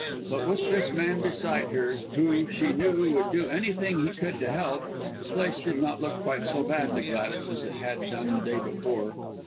But with this man beside her, who, she knew, would do anything he could to help, the place did not look quite so bad to Gladys as it had done the day before.